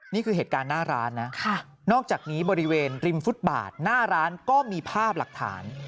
นี่คือเหตุการณ์หน้าร้านนะนอกจากนี้บริเวณริมฟุตบาทหน้าร้านก็มีภาพหลักฐาน